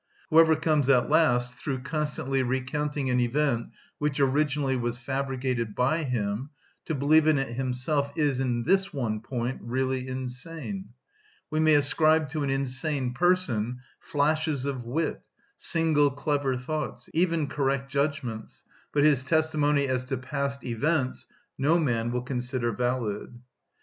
Whoever comes at last, through constantly recounting an event which originally was fabricated by him, to believe in it himself is, in this one point, really insane. We may ascribe to an insane person flashes of wit, single clever thoughts, even correct judgments, but his testimony as to past events no man will consider valid.